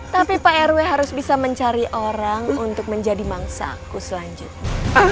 tapi pak rw harus bisa mencari orang untuk menjadi mangsaku selanjutnya